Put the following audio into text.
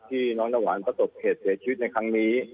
ที่น้องน้ำหวานประสบเหตุเสียชีวิตในครั้งนี้